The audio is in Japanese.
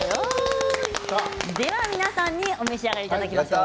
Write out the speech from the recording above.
では皆さんにお召し上がりいただきましょう。